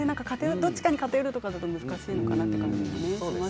どっちかに偏るというのだと難しいのかなと思いますね。